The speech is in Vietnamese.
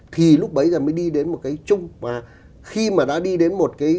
thì lúc bấy giờ mới đi đến một cái chung mà khi mà đã đi đến một cái